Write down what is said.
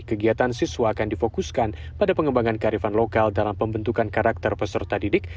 kegiatan siswa akan difokuskan pada pengembangan karifan lokal dalam pembentukan karakter peserta didik